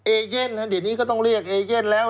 เอเย่นเดี๋ยวนี้ก็ต้องเรียกเอเย่นแล้ว